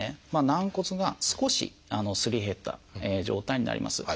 軟骨が少しすり減った状態になります。